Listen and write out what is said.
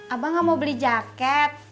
abang nggak mau beli jaket